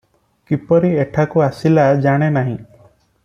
କିପରି ଏଠାକୁ ଆସିଲା ଜାଣେନାହିଁ ।"